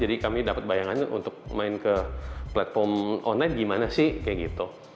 jadi kami dapat bayangannya untuk main ke platform online gimana sih kek gitu